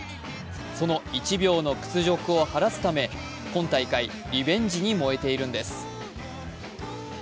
その１秒の屈辱を晴らすため今大会リベンジに燃えているんです。